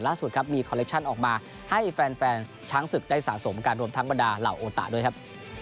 ครับมีคอลเลคชั่นออกมาให้แฟนช้างศึกได้สะสมกันรวมทั้งบรรดาเหล่าโอตะด้วยครับ